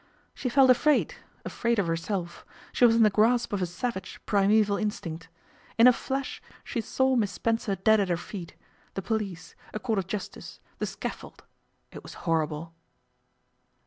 She felt afraid afraid of herself; she was in the grasp of a savage, primeval instinct. In a flash she saw Miss Spencer dead at her feet the police a court of justice the scaffold. It was horrible.